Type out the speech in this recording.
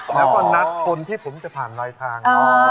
แล้วก็นัดคนที่ผมจะผ่านลอยทาง